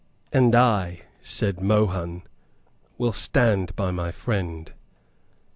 "And I," said Mohun, "will stand by my friend."